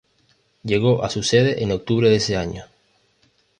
Llegó a su sede en octubre de ese año.